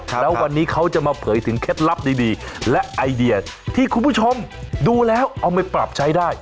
แล้ววันนี้เขาจะมาเผยถึงเคล็ดลับดีและไอเดียที่คุณผู้ชมดูแล้วเอาไปปรับใช้ได้